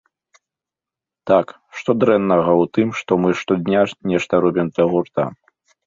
Так, што дрэннага ў тым, што мы штодня нешта робім для гурта?